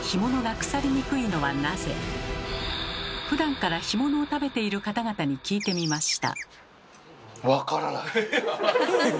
ふだんから干物を食べている方々に聞いてみました。